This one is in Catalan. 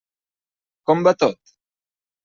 Com va tot?